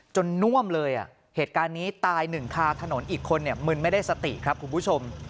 จนนวมเลยเหตุการณ์นี้ตาย๑คาถนนอีกคนมึงไม่ได้สติครับคุณผู้ชม